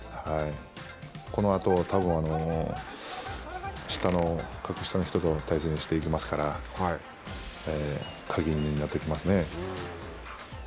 このあと、多分格下の人と対戦していきますから鍵になってきますね。